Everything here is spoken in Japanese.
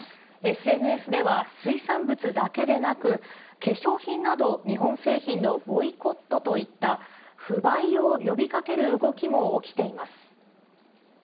ＳＮＳでは、水産物だけでなく、化粧品など、日本製品のボイコットといった、不買を呼びかける動きも起きています。